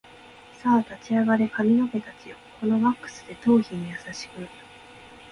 さあ立ち上がれ髪の毛たちよ、このワックスで頭皮に優しく